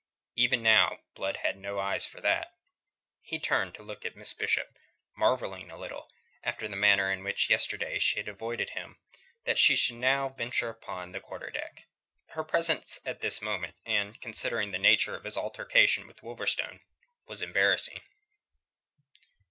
Even now Blood had no eyes for that. He turned to look at Miss Bishop, marvelling a little, after the manner in which yesterday she had avoided him, that she should now venture upon the quarter deck. Her presence at this moment, and considering the nature of his altercation with Wolverstone, was embarrassing.